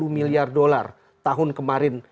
miliar dolar tahun kemarin